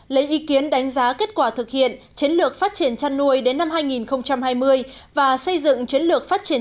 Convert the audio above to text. lấy ý kiến đánh giá kết quả thực hiện chiến lược phát triển chăn nuôi đến năm hai nghìn hai mươi và xây dựng chiến lược phát triển